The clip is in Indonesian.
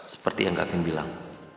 seperti yang gavin bilang